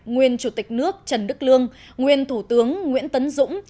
nguyên chủ tịch nước trần đức lương nguyên thủ tướng nguyễn tấn dũng